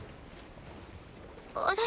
あれ？